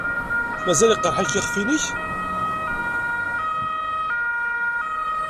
Mazal yeqreḥ-ik yiɣef-nnek?